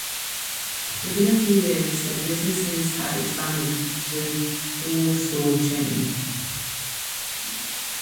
Within a few years, their business had expanded to a four-store chain.